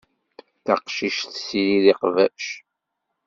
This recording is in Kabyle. Taqcict tessirid iqbac.